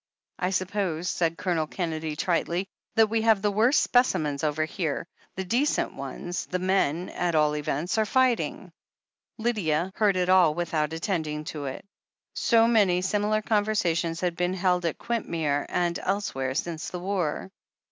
"I suppose," said Colonel Kennedy tritely, "that we have the worst specimens over here. The decent ones — ^the men, at all events — are fighting." Lydia heard it all without attending to it. So many similar conversations had been held at Quintmere and elsewhere since the war.